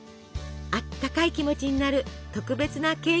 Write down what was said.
あったかい気持ちになる特別なケーキなのです。